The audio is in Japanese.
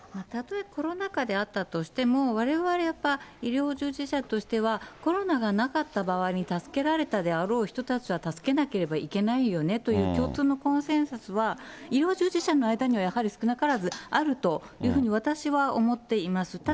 たとえコロナ禍であったとしても、われわれ、やっぱり医療従事者としてはコロナがなかった場合に助けられたであろう人たちは、助けなければいけないよねという共通のコンセンサスは、医療従事者の間には、やはり少なからずあるというふうに私は思っています。